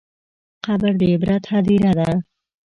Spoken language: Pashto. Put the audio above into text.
قبر د عبرت هدیره ده.